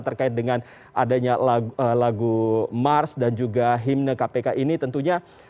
terkait dengan adanya lagu mars dan juga himne kpk ini tentunya